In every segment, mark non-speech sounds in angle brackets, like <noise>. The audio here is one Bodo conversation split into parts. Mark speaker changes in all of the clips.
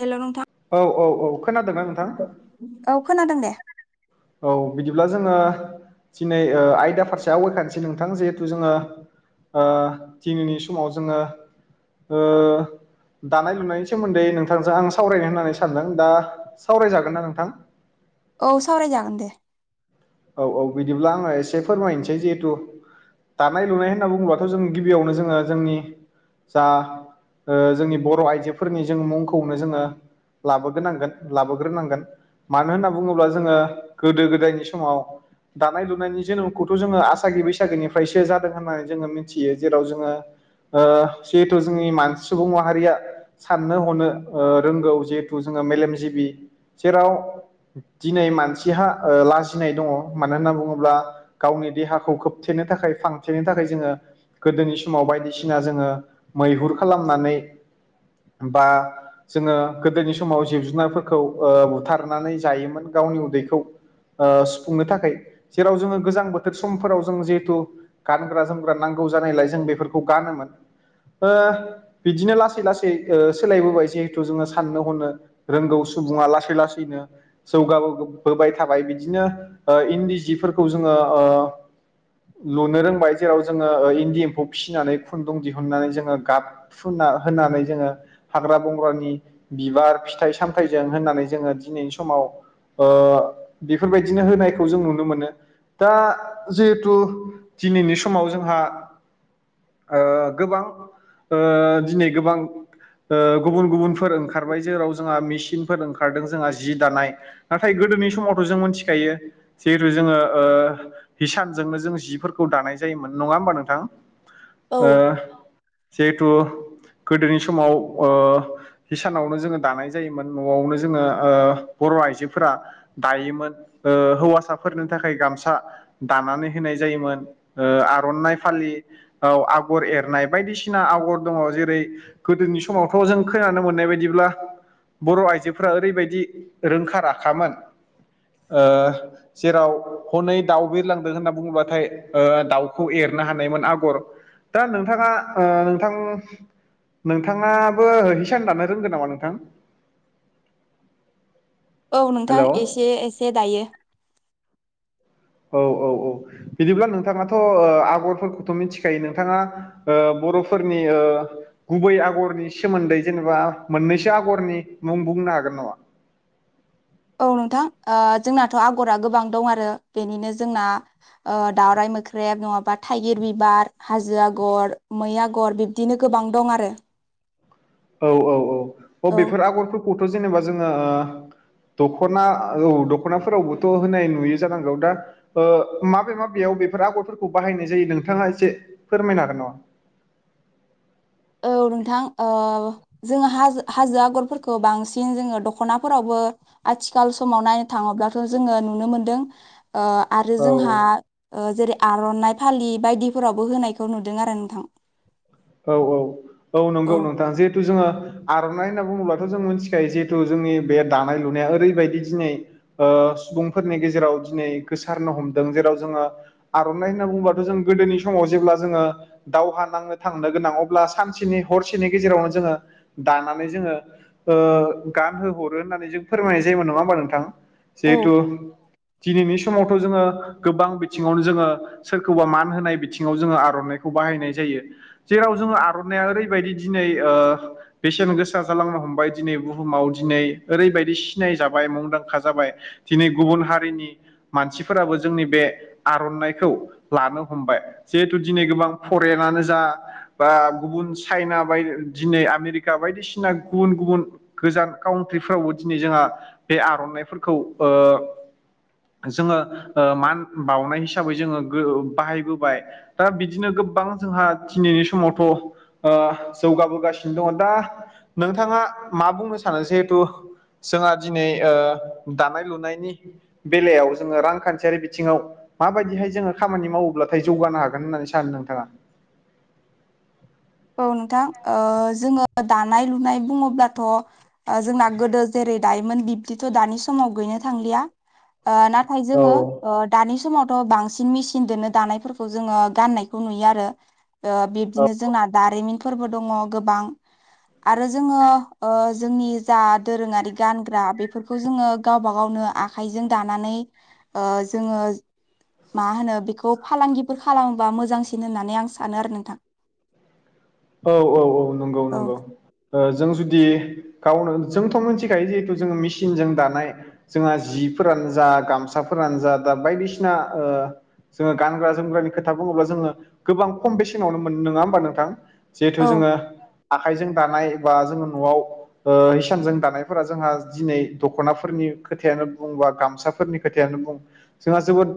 Speaker 1: हेल' नोंथां
Speaker 2: औ औ औ खोनादोंना नोंथां?
Speaker 1: औ खोनादों दे।
Speaker 2: औ बिदिब्ला जोंङो दिनै ओ आयदा फारसे आवगायखानोसै नोंथां जिहेथु जोंङो ओ दिनैनि समाव जोंङो ओ दानाय लुनायनि सोमोन्दै नोंथांजों आं सावरायनो होननानै सानदों दा सावरायजागोन ना नोंथां?
Speaker 1: औ सावराय जागोन दे।
Speaker 2: औ औ बिदिब्ला आंङो एसे फोरमायनोसै जिहेतु दानाय लुनाय होनना बुंङोबाथ' जों गिबियावनो जोंङो जोंनि जा ओ जोंनि बर' आइजोफोरनि जों मुंखौनो जोंङो लाबोग्रोनांगोन लाबोग्रोनांगोन मानो होनना बुंङोब्ला जोंङो गोदो गोदायनि समाव <unintelligible> दानाय लुनायनि जोनोमखौथ' जोंङो आसागि बैसागोनिफ्रायसो जादों होननानै जोंङो मिथियो जेराव जोंङो ओ जिहेथु जोंनि मानसि सुबुं माहारिया साननो हनो ओ रोंगौ जिहेथु जोंङो मेलेमजिबि जेराव दिनै मानसिहा ओ लाजिनाय दंङ मानो होनना बुंङोब्ला गावनि देहाखौ खोबथेनो थाखाय फांथेनो थाखाय जोंङो गोदोनि समाव बायदिसिना जोंङो मैहुर खालामनानै बा जोंङो गोदोनि समाव जिब जुनारफोरखौ ओ बुथारनानै जायोमोन गावनि उदैखौ ओ सुफुंनो थाखाय जेराव जोंङो गोजां बोथोर समफोराव जों जिहेथु गानग्रा जोमग्रा नांगौ जानायलाय जों बेफोरखौ गानोमोन ओ बिदिनो लासै लासै ओ सोलायबोबाय जिहेथु जोंङो साननो हनो रोंगौ सुबुंङा लासै लासैनो जौगाबोबाय थाबाय बिदिनो ओ इन्दि जिफोरखौ जोंङो ओ लुनो रोंबाय जेराव जोंङो ओ इन्दि एम्फौ फिसिनानै खुन्दुं दिहुननानै जोंङो गाब फुनना होननानै जोंङो हाग्रा बंग्रानि बिबार फिथाइ सामथायाइजों होननानै जोंङो दिनैनि समाव ओ बेफोरबायदिनो होनाय खौ जों नुनो मोनो दा जिहेथु दिनैनि समाव जोंहा ओ गोबां ओ दिनै गोबां ओ गुबुन गुबुन फोर ओंखारबाय जेराव जोंहा मिसिन फोर ओंखारदों जोंहा जि दानाय नाथाय गोदोनि समावथ' जों मिथिखायो। जिहेथु जोङो ओ हिसानजोंनो जों जिफोरखौ दानाय जायोमोन नङा होमबा नोंथां? ओ
Speaker 1: औ
Speaker 2: जिहेथु गोदोनि समाव ओ हिसानावनो जोङो दानाय जायोमोन न'आवनो जोङो ओ बर' आइजोफोरा दायोमोन हौवा फसाफोरनि थाखाय गामसा दानानै होनाय जायोमोन आर'नाइ फालि औ आगर एरनाय बायदिसिना आगर दङ जेरै गोदोनि समावथ' जों खोनानो मोननाय बायदिब्ला। बर' आइजोफोरा्रा ओरैबायदि रोंखा राखामोन। ओ जेराव हनै दाउ बिरलांदों होनना बुङोबाथाय दाउखौ एरनो हानायमोन आगर दा नोंथाङा नोंथां नोंथाङाबो हिसान दानो रोंगोन नामा नोंथां?
Speaker 1: औ नोंथां एसे एसे दायो।
Speaker 2: औ औ औ बिदिब्ला नोंथाङाथ' आगरफोरखौथ' मिथिखायो नोंथाङा बर'फोरनि ओ गुबै आगरनि सोमोन्दै जेनेबा मोननैसो आगरनि मुं बुंनो हागोन नामा?
Speaker 1: औ नोंथां जोंनाथ' आगरा गोबां दं आरो बेनिनो जोंना दाउरराय मोख्रेब नङाबा थाइगिर बिबार हाजो आगर मै आगर बिदिनो गोबां दं आरो।
Speaker 2: औ औ औ औ बेफोर आगरफोरखौथ' जेनेबा जोङो ओ दख'ना औ दख'नाफोरावबोथ' होनाय नुयो जानांगौ दा माबे माबेयाव बेफोर आगरफोरखौ बाहायनाय जायो नोंथाङा एसे फोरमायना आरो नङा
Speaker 1: औ नोंथां अ जोङो हाजो हाजो आगरफोरखौ बांसिन जोङो दख'नाफोरावबो आथिखाल समाव नायनो थाङोब्लाथ' जोङो नुनो मोनदों। ओ आरो जोंहा
Speaker 2: औ
Speaker 1: जेरै आर'नाइ फालि बायदिफोरावबो होनायखौ नुदों आरो नोंथां।
Speaker 2: औ औ औ नंगौ नोंथां जिहेथु जोङो आर'नाइ होनना बुङोब्लाथ' जों मिथिखायो जिहेथु जोंनि बे दानाय लुनाया ओरैबायदि दिनै ओ सुबुंफोरनि गेजेराव दिनै गोसारनो हमदों जेराव जोङो आर'नाइ होनना बुङोबाथ' जों गोदोनि समाव जेब्ला जोङो दावहा नाङो थांनो गोनां अब्ला सानसेनि हरसेनि गेजेरावनो जोङो दानानै जोङो गानहो हरो होननानै जों फोरमायनाय जायोमोन नङा होमबा नोंथां। जिहेथु दिनैनि समावथ' जोङो गोबां बिथिङावनो जोङो सोरखौबा मान होनाय बिथिङाव जोङो आर'नाइखौ बाहायनाय जायो। जेराव जोङो आर'नानायइया ओरैबायदि दिनै ओ बेसेन गोसा जालांनो हमबाय दिनै बुहुमाव दिनै ओरैबायदि सिनाय जाबाय मुंदांखा जाबाय दिनै गुबुन हारिनि मानसिफोराबो जोंनि बे आर'नाइखौ लानो हमबाय जिहेथु दिनै गोबां फरेनानो जा बा गुबुन चाइना बाय दिनै आमेरिका बायदिसिना गुबुन गुबुन गोजान काउन्ट्रिफोरावबो दिनै जोंहा बे आर'नाइफोरखौ ओ जोङो मान बावनाय हिसाबै जोङो बाहायबोबाय। दा बिदिनो गोबां जोंहा दिनैनि समावथ' जौगाबोगासिनो दङ दा नोंथाङा मा बुंनो सानो जिहेथु जोंहा दिनै दानाय लुनायनि बेलायाव जोङो रांखान्थियारि बिथिङाव माबायदिहाय जोङो खामानि मावोब्लाथाय जौगानो हागोन होननानै सानो नोंथाङा?
Speaker 1: औ नोंथां जोङो दानाय लुनाय बुङोब्लाथ' जोंना गोदो जेरै दायोमोन बिब्दिथ' दानि समाव गैनो थांलिया ओ नाथाय
Speaker 2: औ
Speaker 1: जोङो ओ दानि समावथ' बांसिन मेचिनजोंनो दानायफोरखौ जोङो गाननायखौ नुयो आरो।
Speaker 2: औ
Speaker 1: बिब्दिनो जोंना दारिमिन फोरबो दङ गोबां आरो जोङो जोंनि ओ जा दोरोङारि गानग्रा बेफोरखौ खौ जोङो गावबा गावनो आखाइजों दानानै ओ जोङो मा होनो बेखौ फालांगिफोर खालामोबा मोजांसिन होननानै आं सानो आरो नोंथां।
Speaker 2: औ औ औ नंगौ
Speaker 1: औ
Speaker 2: नंगौ। जों जुदि गावनो जोंथ' मिथिखायो जिहेथु जोङो मेसिनजों दानाय जोंहा जिफोरानो जा गामसाफोरानो जा दा बायदिसिना ओ जोङो गानग्रा जोमग्रानि खोथा बुङोब्ला जोङो गोबां खम बेसेनावनो मोनो नङा होमबा नोंथां? जिहेथु
Speaker 1: औ
Speaker 2: जोङो आखाइजों दानाय बा जोङो न'आव ओ हिसानजों दानायफोरा जोंहा दिनै दख'नाफोरनि खोथायानो बुङोबा गामसाफोरनि खोथायानो बुं जोंहा जोबोद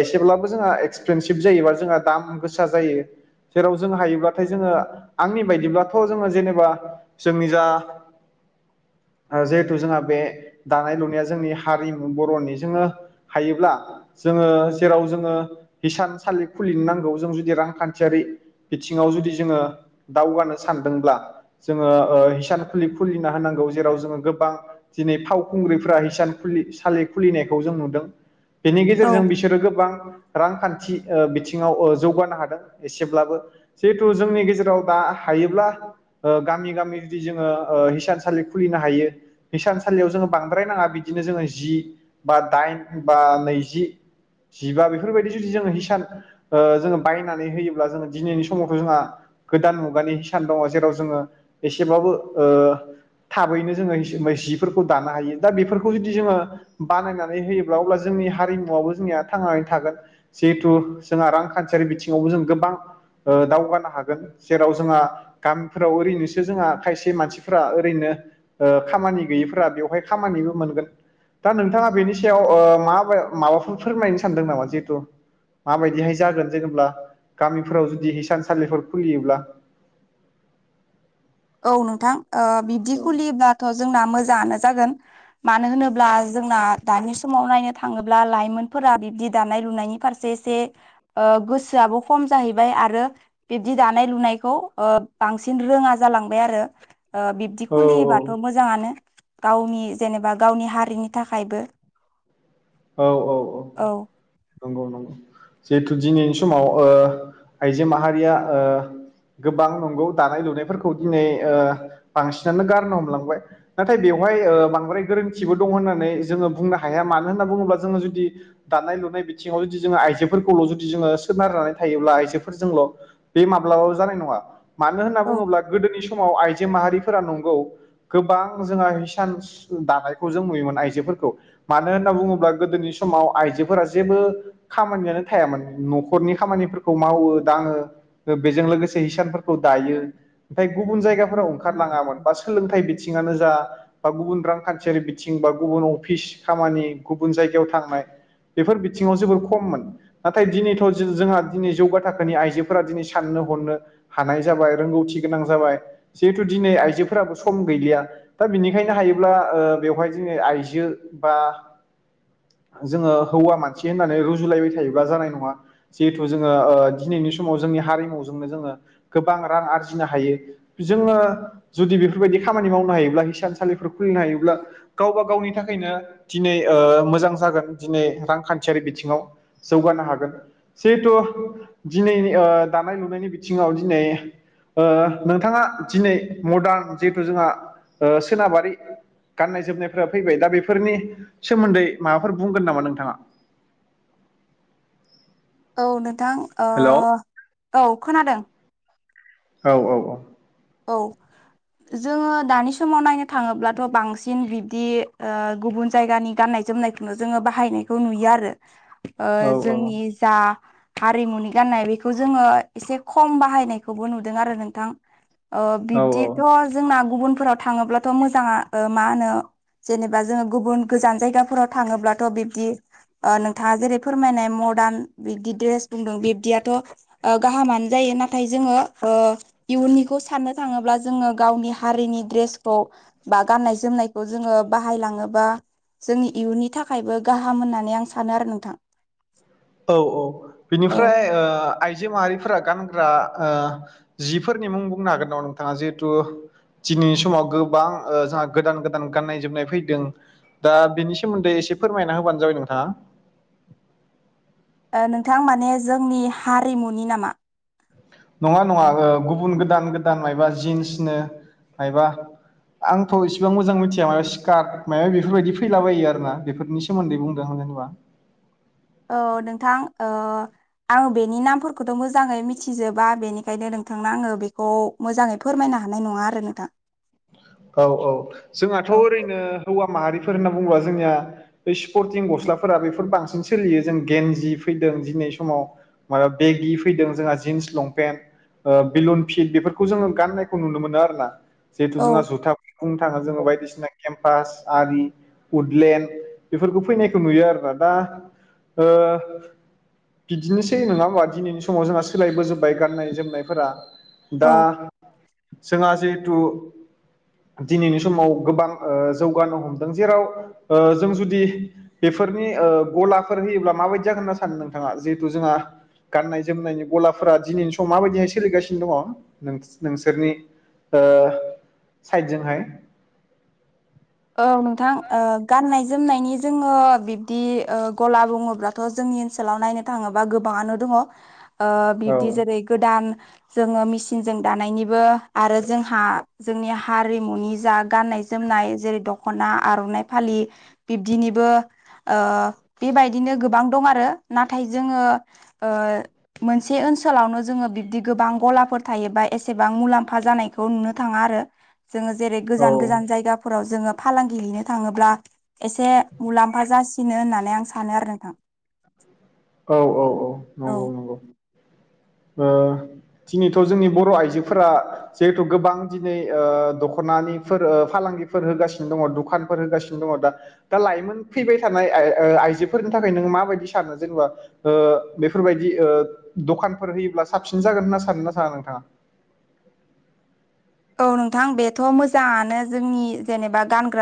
Speaker 2: एसेब्लाबो जोंहा एक्सपेनसिभ जायोबा जोंहा दाम गोसा जायो। जेराव जों हायोबा नाथाय जोङो आंनि बायदिब्लाथ' जोङो जेनेबा जोंनि जा जिहेथु जोंहा बे दानाय लुनाया जोंनि हारिमु बर'नि जोङो हायोब्ला जोङो जेराव जोङो हिसानसालि खुलिनो नांगौ जों जुदि रांखान्थियारि जिउआव जुदि जोङो दावगानो सानदोंब्ला जोङो हिसान खुलि खुलिना होनांगौ जेराव जोङो गोबां दिनै फावखुंग्रिफोरा हिसानुलि सालि खुलिनायखौ जों नुदों बेनि
Speaker 1: औ
Speaker 2: गेजेरजों बिसोरो गोबां रांखान्थि बिथिङाव जौगानो हादों एसेब्लाबो। जिहेथु जोंनि गेजेराव दा हायोब्ला गामि गामि जुदि जोङो हिसानसालि खुलिनो हायो। हिसानसालियाव जोङो बांद्राय नाङा बिदिनो जोङो जि बा दाइन बा नैजि जिबा बेफोरबायदि जुदि जोङो हिसान जोङो बायनानै होयोब्ला जोङो दिनैनि सु समावथ' जोंहा गोदान मुगानि सान दङ जेराव जोङो एसेब्लाबो ओ थाबैनो जोङो जिफोरखौ दानो हायो दा बेफोरखौ जुदि जोङो बानायनानै होयोब्ला अब्ला जोंनि हारिमुवाबबो जोंनिया थांनानै थागोन। जिहेथु जोंहा रांखान्थियारि बिथिङावबो जों गोबां ओ दावगानो हागोन। जेराव जोंहा गामिफोराव ओरैनोसो जोंहा खायसे मानसिफोरा ओरैनो ओ खामानि गैयिफोरा बेवहाय खामानिबो मोनगोन दा नोंथाङा बेनि सायाव ओ मा माबाफोर फोरमायनो सानदों नामा जिहेतु माबायदिहाय जागोन जेनेब्ला गामिफोराव जुदि हिसानसालिफोर खुलियोब्ला?
Speaker 1: औ नोंथां बि्दि
Speaker 2: औ
Speaker 1: खुलियोब्लाथ' जोंना मोजाङानो जागोन। मानो होनोब्ला जोंना दानि समाव नायनो थाङोब्ला लाइमोनफोरा बिब्दि दानाय लुनायनि फारसे एसे गोसोआबो खम जाहैबाय आरो बिब्दि दानाय लुनायखौ बांसिन रोङा जालांबाय आरो बिब्दि खुलियोबा औ मोजाङानो गावनि जेनेबा गावनि हारिनि थाखायबो।
Speaker 2: औ औ औ।
Speaker 1: औ
Speaker 2: नंगौ नंगौ। जिहेथु दिनैनि समाव ओ आइजो माहारिया ओ गोबां नंगौ दानाय लुनायफोरखौ दिनै ओ बांसिनानो गारनो हमलांबाय नाथाय बेवहाय ओ बांद्राय गोरोन्थिबो दं होननानै जोङो बुंनो हाया मानो होनना बुङोब्ला जोङो जुदि दानाय लुनाय बिथिङाव जुदि जोङो आइजोफोरखौल' जुदि जोङो सोनारनानै थायोब्ला आइजोफोरजोंल' बे माब्लाबाबो जानाय नङा मानो होनना
Speaker 1: औ
Speaker 2: बुङोब्ला गोदोनि समाव आइजो माहारिफोरा नंगौ गोबां जोंहा हिसान दानायखौ जों नुयोमोन आइजोफोरखौ। मानो होनना बुङोब्ला गोदोनि समाव आइजोफोरा जेबो खामानियानो थायामोन न'खरनि खामानिफोरखौ मावो दाङो बेजों लोगोसे हिसानफोरखौ दायो ओमफ्राय गुबुन जायगाफोराव ओंखारलाङामोन बा सोलोंथाइ बि बिथिंनो जा बा गुबुन रांखान्थियारि बिथिं बा गुबुन अफिस खामानि गुबुन जायगायाव थांनाय बेफोर बिथिङाव जोबोर खममोन नाथाय दिनैथ' जोंहा दिनै जौगा थाखोनि आइजोफोरा दिनै साननो हनो हानाय जाबाय रोंगौथि गोनां जाबाय जिहेथु दिनै आइजोफोराबो सम गैलिया दा बिनिखायनो हायोब्ला बेवहाय जोङो आइजो बा जोङो हौवा मानसि होननानै रुजु लायबाय थायोबा जानाय नङा जिहेथु जोङो दिनैनि समाव जोंनि हारिमुजोंनो जोङो गोबां रां आरजिनो हायो जोङो जुदि बेफोरबायदि खामानि मावनो हायोब्ला हिसान सालिफोर खुलिनो हायोब्ला गावबा गावनि थाखाय बेनो दिनै मोजां जागोन दिनै रांखान्थियारि बिथिङाव जौगानो हागोन जिहेथु दिनै दानाय लुनायनि बिथिङाव दिनै नोंथाङा दिनै मदार्न जिहेथु जोंहा सोनाबारि गाननाय जोमनायफोरा फैबाय दा बेफोरनि सोमोन्दै माबाफोर बुंगोन नामा नोंथाङा
Speaker 1: औ नोंथां ओ
Speaker 2: हेलौ
Speaker 1: औ खोनादों
Speaker 2: औ औ औ
Speaker 1: औ जोङो दानि समाव नायनो थाङोब्लाथ' बांसिन बिब्दि गुबुन जायगानि गाननाय जोमनायखौनो जोङो बाहायनायखौ नुयो आरो ओ
Speaker 2: औ
Speaker 1: जोंनि दा हारिमुनि गाननाय बेखौ जोङो एसे खम बाहायनायखौबो नुदों आरो नोंथां ओ
Speaker 2: औ
Speaker 1: बिब्दिथ' जोंना गुबुनफोराव थाङोब्लाथ' मोजाङा ओ मा होनो जेनेबा जोङो गुबुन गोजान जायगाफोराव थाङोब्लाथ' बिब्दि ओ नोंथाङा जेरै फोरमायनाय मदार्न बिबदि ड्रेस बुंदों बिब्दियाथ' ओ गाहामानो जायो नाथाय जोङो ओ इयुननि खौ साननो थाङोब्ला जोङो गावनि हारिनि ड्रेसखौ बा गान्नाय जोमनायखौ जोङो बाहाय लाङोबा जोंनि इयुननि थाखायबो गाहाम होननानै आं सानो आरो नोंथां
Speaker 2: औ औ
Speaker 1: औ
Speaker 2: बिनिफ्राय ओ आइजो माहारिफोरा गानग्रा ओ जिफोरनि मुं बुंनो हागोन नामा नोंथाङा जिहेतु दिनैनि समाव गोबां ओ जोंहा गोदान गोदान गाननाय जोमनाय फैदों दा बेनि सोमोन्दै एसे फोरमायना होबानो जाबाय नोंथाङा
Speaker 1: ओ नोंथां माने जोंनि हारिमुनि नामा
Speaker 2: नङा नङा ओ गुबुन गोदान गोदान माइबाबा जिन्सनो माइबा आंथ' इसेबां मोजां मिथिया माया स्कार्ट माइबा बेफोरबायदि फैलाबायो आरोना बेफोरनि सोमोन्दै <unintelligible> हानाय नङा
Speaker 1: औ नोंथां ओ आङो बेनि नामफोरखौथ' मोजाङै मिथिजोबा बेनिखायनो नोंथांनो आङो बेखौ मोजाङै फोरमायनो हानाय नङा आरो नोंथां
Speaker 2: औ औ जोंहाथ'
Speaker 1: औ
Speaker 2: ओरैनो हौवा माहारिफोर होनना बुङोबा जोंनिया बै स्पर्टिं गस्लाफोरा बेफोर बांसिन सोलियो जों गेन्जि फैदों दिनै समाव ओ बेगि फैदों जोंहा जिन्स लंपेन्ट ओ बेलुन फिट बेफोरखौ जोङो गाननायखौ नुनो मोनो आरो ना जिहेथु जोंहा जुथा बुंनो थाङो जोङो बायदिसिना केम्पास आरि उदलेण्ड बेफोरखौ फैनायखौ नुयो आरोना दा ओ बिदिनोसै नोङा होमबा दिनैनि समाव जोंहा सोलायबोजोबबाय गाननाय जोमनायफोरा दा
Speaker 1: औ
Speaker 2: जोंहा जिहेथु दिनैनि समाव गोबां ओ जौगानो हमदों जेराव ओ जों जुदि बेफोरनि ओ गलाफोर होयोब्ला माबायदि जागोन होनना सानो नोंथाङा जिहेथु जोंहा गाननाय जोमनायनि गलाफोरा दिनैनि समाव माबायदिहाय सोलिगासिनो दङ नों-नोंसोरनि ओ साइदजोंहाय?
Speaker 1: औ नोंथां ओ गाननाय जोमनायनि जोङो बिब्दि ओ गला बुङोब्ला थ' जोंनि ओनसोलाव नायनो थाङोबा गोबाङानो दङ ओ
Speaker 2: औ
Speaker 1: बिब्दि जेरै गोदान जोङो मेसिनजों दानायनिबो आरो जोंहा जोंनि हारिमुनि जा गाननाय जोमनाय जेरै दख'ना आर'नाइ फालि बिबदिनिबो ओ बेबायदिनो गोबां दं आरो नाथाय जोङो ओ मोनसे ओनसोलावनो जोङो बिब्दि गोबां गलाफोर थायोबा एसेबां मुलाम्फा जानाय खौ नुनो थाङा आरो जोङो जेरै
Speaker 2: औ
Speaker 1: गोजान गोजान जायगाफोराव जोङो फालांगि हैनो थाङोब्ला एसे मुलाम्फा जासिनो होननानै आं सानो आरो नोंथां।
Speaker 2: औ औ औ
Speaker 1: औ
Speaker 2: नंगौ नंगौ ओ। दिनैथ' जोंनि बर' आइजोफोरा जिहेथु गोबां दिनै ओ दख'नानिफोर ओ फालांगिफोर होगासिनो दङ दुखानफोर होगासिनो दङ दा दा लाइमोन फैबाय थानाय आइ ओ आइजोफोरनि थाखाय नों माबायदि सानो जेनेबा ओ बेफोरबायदि ओ दखानफोर होयोब्ला साबसिन जागोन होनना सानो ना साना नोंथाङा?
Speaker 1: औ नोंथां बेथ' मोजाङानो जोंनि जेनेबा गानग्रा